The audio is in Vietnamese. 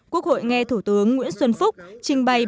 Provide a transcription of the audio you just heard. quốc hội nghe thủ tướng nguyễn xuân phúc trình bày